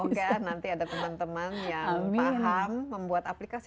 semoga nanti ada teman teman yang paham membuat aplikasi